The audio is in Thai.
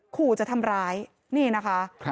ขู่จะทำร้ายนี่นะคะ